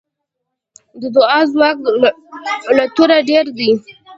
د دعا ځواک له توره ډېر دی.